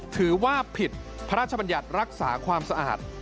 ถือว่าผิดพระราชบัญญัติรักษาความสะอาด